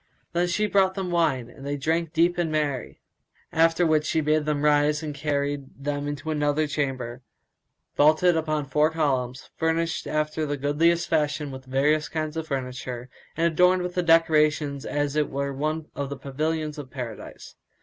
Then she brought them wine, and they drank deep and made merry; after which she bade them rise and carried them into another chamber, vaulted upon four columns, furnished after the goodliest fashion with various kinds of furniture, and adorned with decorations as it were one of the pavilions of Paradise.